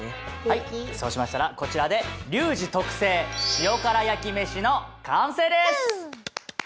はいそうしましたらこちらでリュウジ特製塩辛焼き飯の完成です！